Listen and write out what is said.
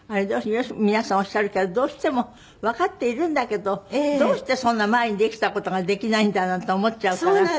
皆さんおっしゃるけどどうしてもわかっているんだけどどうしてそんな前にできた事ができないんだなんて思っちゃうから。